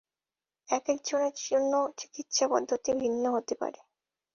একেকজনের জন্য চিকিৎসা পদ্ধতি ভিন্ন হতে পারে।